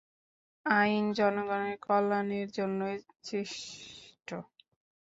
আইন জনগণের কল্যাণের জন্যই সৃষ্ট।